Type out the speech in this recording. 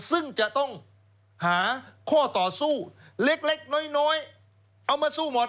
ซึ่งจะต้องหาข้อต่อสู้เล็กน้อยเอามาสู้หมด